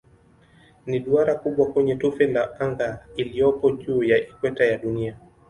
Ni duara kubwa kwenye tufe la anga iliyopo juu ya ikweta ya Dunia.